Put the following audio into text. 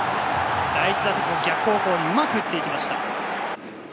第１打席も逆方向にうまく打っていきました。